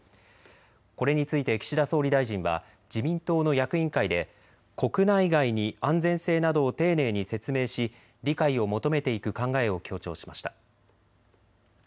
これについて岸田総理大臣は自民党の役員会で国内外に安全性などを丁寧に説明し理解を求めていく考えを強調しました。